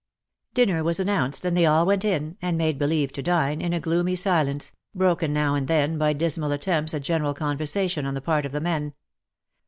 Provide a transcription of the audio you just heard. '' Dinner was announced, and they all went in, and made believe to dine, in a gloomy silence, broken now and then by dismal attempts at general con versation on the part of the men.